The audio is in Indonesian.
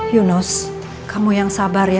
yunus kamu yang sabar ya